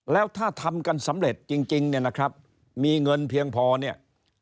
แล้วถ้าทำกันสำเร็จจริงเนี่ยนะครับมีเงินเพียงพอเนี่ย